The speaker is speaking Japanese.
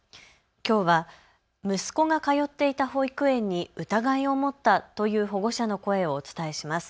きょうは息子が通っていた保育園に疑いを持ったという保護者の声をお伝えします。